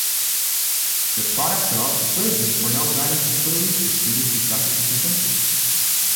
The products are also served in Cornell Dining facilities for students and faculty consumption.